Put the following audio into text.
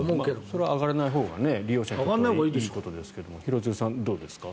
それは上がらないほうが利用者にとってはいいことですけど廣津留さん、どうですか？